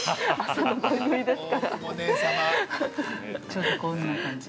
◆ちょっとこんな感じ。